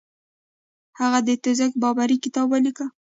هغه د تزک بابري کتاب ولیکه.